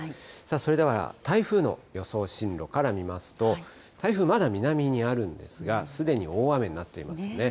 それでは台風の予想進路から見ますと、台風、まだ南にあるんですが、すでに大雨になっていますね。